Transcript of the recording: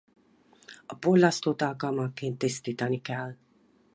A porlasztót alkalmanként tisztítani kell.